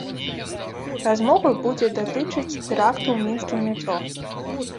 Размова будзе датычыць тэракту ў мінскім метро.